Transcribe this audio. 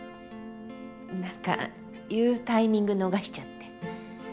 なんか言うタイミング逃しちゃって。